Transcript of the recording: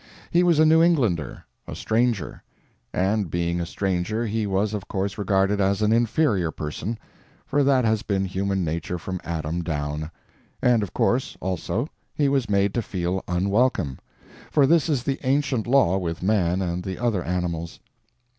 He was a New Englander, a stranger. And, being a stranger, he was of course regarded as an inferior person—for that has been human nature from Adam down—and of course, also, he was made to feel unwelcome, for this is the ancient law with man and the other animals.